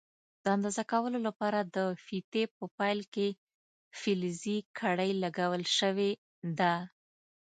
د اندازه کولو لپاره د فیتې په پیل کې فلزي کړۍ لګول شوې ده.